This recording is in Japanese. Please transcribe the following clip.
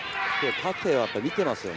縦を見ていますよね。